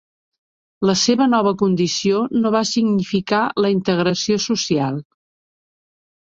La seva nova condició no va significar la integració social.